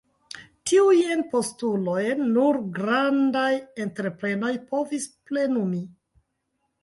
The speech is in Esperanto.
Tiujn postulojn nur grandaj entreprenoj povis plenumi.